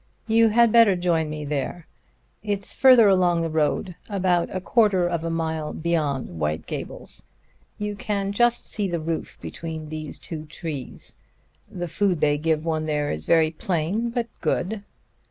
You had better join me there. It's further along the road, about a quarter of a mile beyond White Gables. You can just see the roof between those two trees. The food they give one there is very plain, but good."